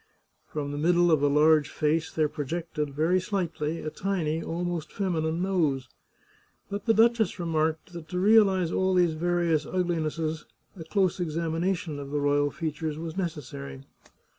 From the middle of a large face there projected, very slightly, a tiny, almost feminine nose. But the duchess remarked that to realize all these various uglinesses a close examination of the royal features was necessary.